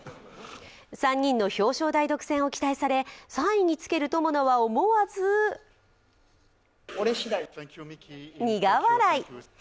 ３人の表彰台独占を期待され、３位につける友野は思わず苦笑い。